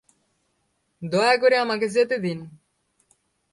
দয়া করে আমাদের যেতে দিন।